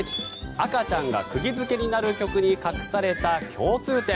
赤ちゃんが釘付けになる曲に隠された共通点。